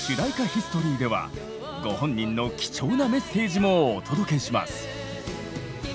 ヒストリーではご本人の貴重なメッセージもお届けします。